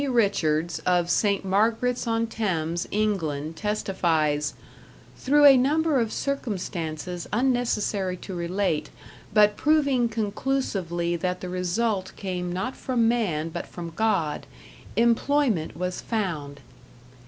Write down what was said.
Richards of St. Margarets on Thames, England, testifies: "Through a number of circumstances unnecessary to relate, but proving conclusively that the result came not from man but from God, employment was found."